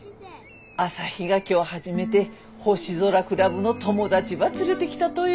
朝陽が今日初めて星空クラブの友達ば連れてきたとよ。